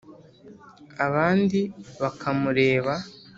abandi bakamureba